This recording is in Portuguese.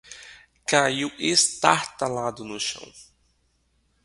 Caiu estártalado no chão